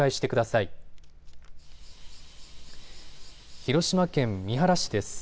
広島県三原市です。